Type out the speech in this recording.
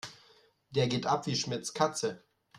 Der geht ab wie Schmitz' Katze.